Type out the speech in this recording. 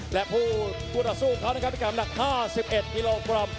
และผู้กุฎสู้เขานะครับที่กำหนักห้าสิบเอ็ดกิโลกรัม